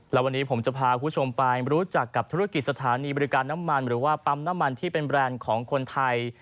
และวันนี้ผมจะพาคุณผู้ชมไปรู้จักกับธุรกิจสถานีบริการน้ำมันหรือว่าปั๊มน้ำมันที่เป็นแบรนด์ของคนไทย